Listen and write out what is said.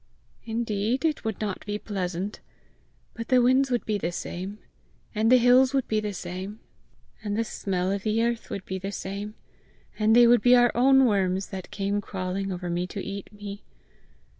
"Indeed it would not be pleasant. But the winds would be the same; and the hills would be the same; and the smell of the earth would be the same; and they would be our own worms that came crawling over me to eat me!